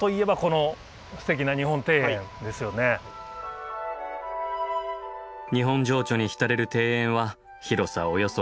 日本情緒に浸れる庭園は広さおよそ１万坪。